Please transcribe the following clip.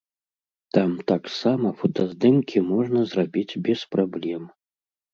Там таксама фотаздымкі можна зрабіць без праблем.